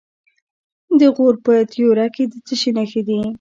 د غور په تیوره کې د څه شي نښې دي؟